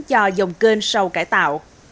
cho dòng kênh sau cải tạo